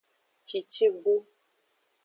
Cicigu.